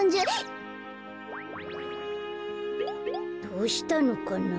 どうしたのかな。